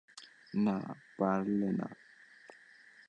না, পারবে না।